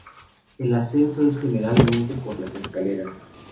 El acceso es generalmente por escaleras.